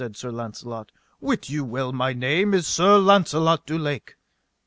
Sir, said Launcelot, wit you well my name is Sir Launcelot du Lake.